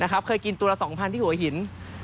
เคยกินตัวละ๒๐๐ที่หัวหิน